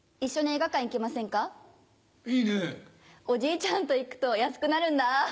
おじいちゃんと行くと安くなるんだ。